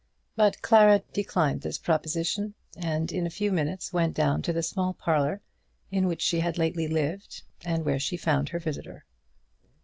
But Clara declined this proposition, and in a few minutes went down to the small parlour in which she had lately lived, and where she found her visitor.